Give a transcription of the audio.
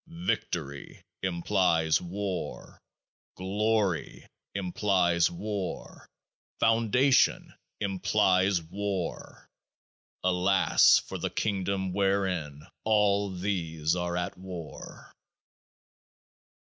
Victory implies war. Glory implies war. Foundation implies war. Alas ! for the Kingdom wherein all these are at war.